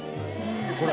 これ？